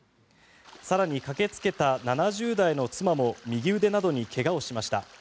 更に、駆けつけた７０代の妻も右腕などに怪我をしました。